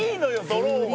ドローンは」